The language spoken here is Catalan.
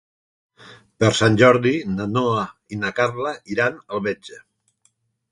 Per Sant Jordi na Noa i na Carla iran al metge.